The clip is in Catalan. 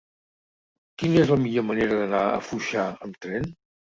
Quina és la millor manera d'anar a Foixà amb tren?